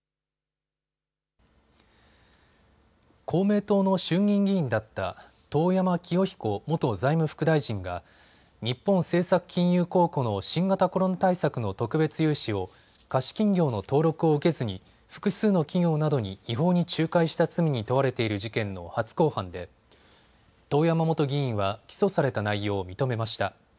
公明党の衆議院議員だった遠山清彦元財務副大臣が日本政策金融公庫の新型コロナ対策の特別融資を貸金業の登録を受けずに複数の企業などに違法に仲介した罪に問われている事件の初公判で遠山元議員は起訴された内容を認めました。